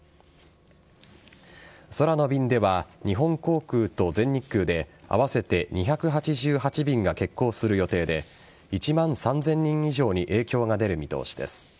空の便では、日本航空と全日空で合わせて２８８便が欠航する予定で１万３０００人以上に影響が出る見通しです。